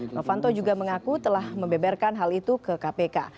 novanto juga mengaku telah membeberkan hal itu ke kpk